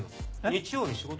日曜に仕事？